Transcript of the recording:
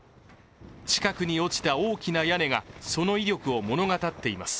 近くに落ちた大きな屋根がその威力を物語っています。